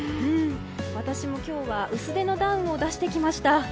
私も今日は薄手のダウンを出してきました。